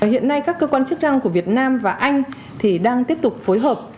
hiện nay các cơ quan chức năng của việt nam và anh thì đang tiếp tục phối hợp